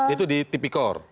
itu di tipikor